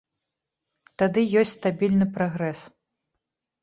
Тады ёсць стабільны прагрэс.